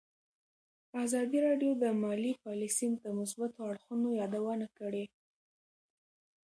ازادي راډیو د مالي پالیسي د مثبتو اړخونو یادونه کړې.